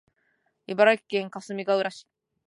茨城県かすみがうら市